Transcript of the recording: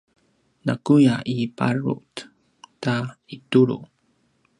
nakuya iparut ta itulu